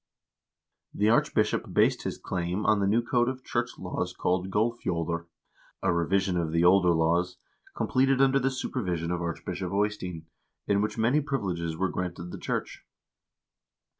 The archbishop based his claim on the new code of church laws called " Gullf joftr," a revision of the older laws, completed under the supervision of Archbishop Eystein, in which many privileges were granted the church.